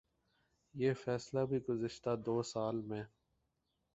یہ فیصلہ بھی گزشتہ دو سال میں